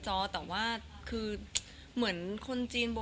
จะรักเธอเพียงคนเดียว